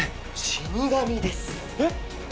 死に神ですよ。えっ？